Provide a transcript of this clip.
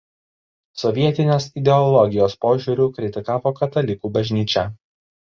Sovietinės ideologijos požiūriu kritikavo Katalikų bažnyčią.